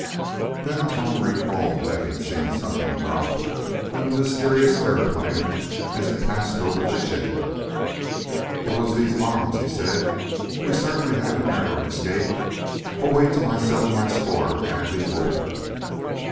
Then Tom recalled having seen something drop from the mysterious aeroplane as it passed over the shed. "It was these bombs," he said. "We certainly had a narrow escape! Oh, wait until I settle my score with Andy Foger!"